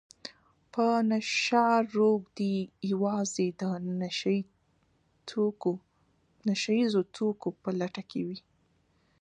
په نشه روږدي يوازې د نشه يیزو توکو په لټه کې وي